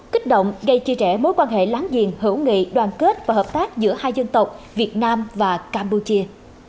kích động gây chia rẽ mối quan hệ láng giềng hữu nghị đoàn kết và hợp tác giữa hai dân tộc việt nam và campuchia